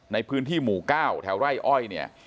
ในพื้นที่หมู่๙แถวไร่อ้อยเนี่ย